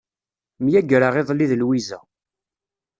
Myagreɣ iḍelli d Lwiza.